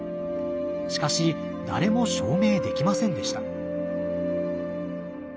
しかし誰も証明できませんでした。